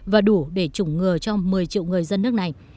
và đủ để chủng ngừa cho một mươi triệu người dân nước này